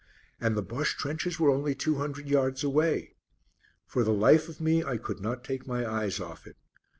And the Bosche trenches were only two hundred yards away! For the life of me I could not take my eyes off it.